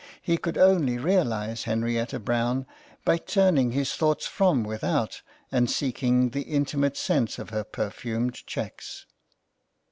He could only realize Henrietta Brown by turning his thoughts from without and seeking the intimate sense of her perfumed cheques.